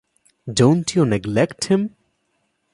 Don't you neglect him?